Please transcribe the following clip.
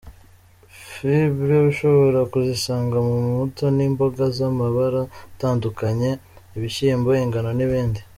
Fibre ushobora kuzisanga mu mbuto n’imboga z’amabara atandukanye, ibishyimbo, ingano n’ibindi.